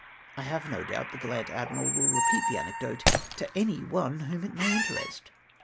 I have no doubt the gallant admii'al will repeat the anecdote to any one whom it may interest.